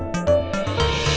terima kasih ya